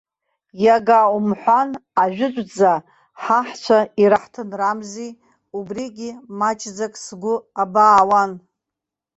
Иага умҳәан, ажәытәӡа ҳаҳцәа ираҳҭынрамзи, убригьы маҷӡак сгәы абаауан.